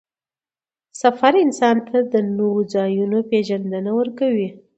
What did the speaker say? سفر انسان ته د نوو ځایونو پېژندنه ورکوي